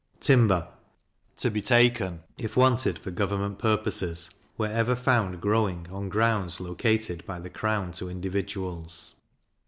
Timber to be taken, if wanted for government purposes, wherever found growing on grounds located by the crown to individuals.